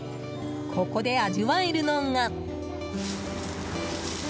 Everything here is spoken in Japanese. ここで味わえるのが。